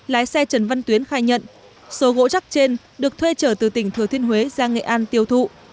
lái xe trần văn tuyến khai nhận số gỗ chắc trên được thuê trở từ tỉnh thừa thiên huế ra nghệ an tiêu thụ